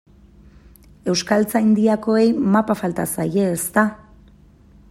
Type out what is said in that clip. Euskaltzaindiakoei mapa falta zaie, ezta?